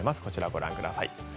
こちら、ご覧ください。